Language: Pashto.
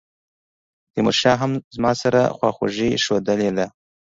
تیمورشاه هم زما سره خواخوږي ښودلې ده.